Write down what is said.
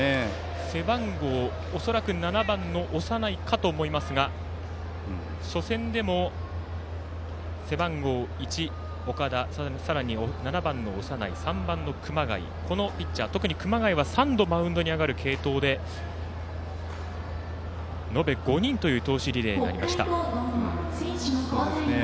背番号、恐らく７番の長内かと思いますが初戦でも背番号１、岡田さらに７番の長内３番の熊谷特に熊谷は３度マウンドに上がる継投で、のべ５人という投手リレーになりました。